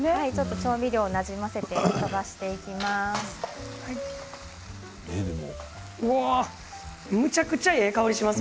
調味料をなじませて飛ばしていきます。